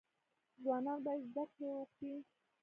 ځوانان باید زده کړه وکړي